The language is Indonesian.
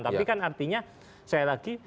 tapi kan artinya sekali lagi